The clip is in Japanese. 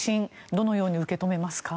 どのように受け止めますか。